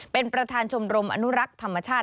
เป็นประธานชมรมอนุรักษ์ธรรมชาติ